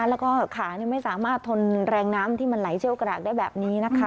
แล้วก็ขาไม่สามารถทนแรงน้ำที่มันไหลเชี่ยวกรากได้แบบนี้นะคะ